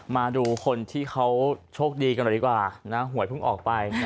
มาดูคนที่เขาโชคดีกันหน่อยดีกว่านะหวยเพิ่งออกไป